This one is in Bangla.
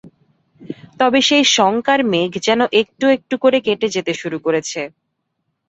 তবে সেই শঙ্কার মেঘ যেন একটু একটু করে কেটে যেতে শুরু করেছে।